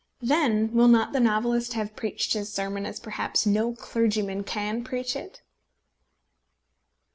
then will not the novelist have preached his sermon as perhaps no clergyman can preach it?